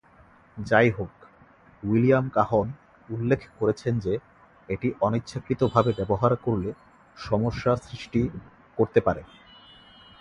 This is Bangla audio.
যাইহোক, উইলিয়াম কাহন উল্লেখ করেছেন যে এটি অনিচ্ছাকৃতভাবে ব্যবহার করলে সমস্যা সৃষ্টি করতে পারে।